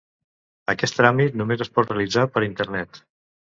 Aquest tràmit només es pot realitzar per Internet.